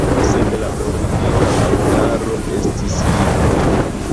Sed la origina altaro estis ligna.